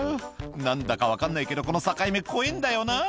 「何だか分かんないけどこの境目怖えぇんだよな」